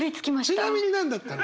ちなみに何だったの？